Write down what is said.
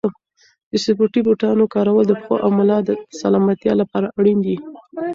د سپورتي بوټانو کارول د پښو او ملا د سلامتیا لپاره اړین دي.